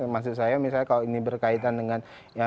maksud saya misalnya kalau ini berkaitan dengan